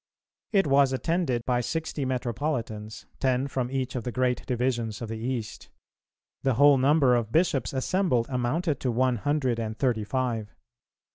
It was attended by sixty metropolitans, ten from each of the great divisions of the East; the whole number of bishops assembled amounted to one hundred and thirty five.